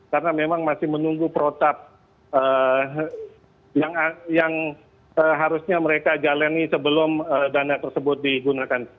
karena memang masih menunggu protap yang harusnya mereka jalani sebelum dana tersebut digunakan